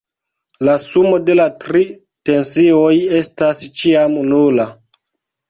La sumo de la tri tensioj estas ĉiam nula.